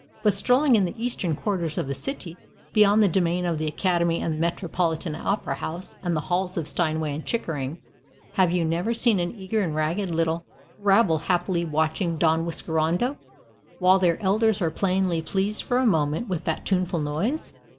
But strolling in the eastern quarters of the city, beyond the domain of the Academy and the Metropolitan Opera house and the halls of Steinway and Chickering, have you never seen an eager and ragged little rabble happily watching Don Whiskerando, while their elders are plainly pleased for a moment with that tuneful noise?